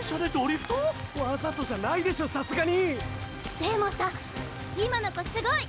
でもさ今の子すごい！